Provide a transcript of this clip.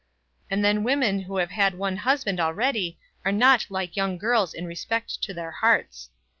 And then women who have had one husband already are not like young girls in respect to their hearts.